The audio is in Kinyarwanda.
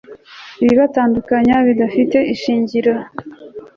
ibibatandukanya bidafite ishingiro